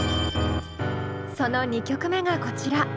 その２曲目がこちら。